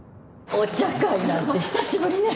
お茶会なんて久しぶりね。